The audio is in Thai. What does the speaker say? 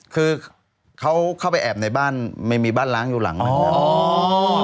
คือเขาเข้าไปแอบในบ้านไม่มีบ้านล้างอยู่หลังหนึ่งครับ